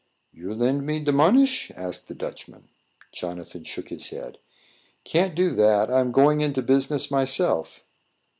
"You lend me de monish?" asked the Dutchman. Jonathan shook his head. "Can't do that. I'm going into business myself."